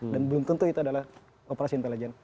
dan belum tentu itu adalah operasi intelijen